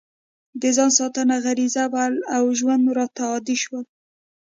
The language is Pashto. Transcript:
د ځان ساتنه غریزه وه او وژل راته عادي شول